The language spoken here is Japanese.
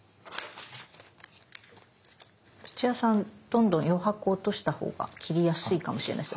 土屋さんどんどん余白を落としたほうが切りやすいかもしれないです。